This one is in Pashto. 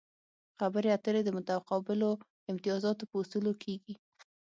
خبرې اترې د متقابلو امتیازاتو په اصولو کیږي